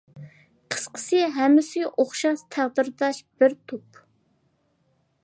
قىسقىسى ھەممىسى ئوخشاش تەقدىرداش بىر توپ.